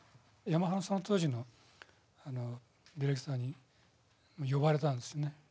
ヤマハのその当時のディレクターに呼ばれたんですね。